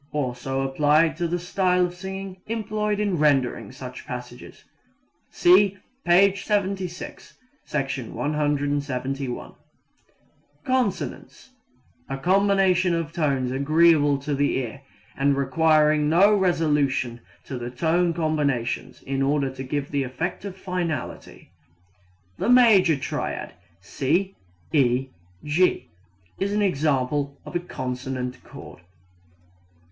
Also applied to the style of singing employed in rendering such passages. (See p. 76, Sec. 171.) Consonance A combination of tones agreeable to the ear and requiring no resolution to other tone combinations in order to give the effect of finality. The major triad C E G is an example of a consonant chord.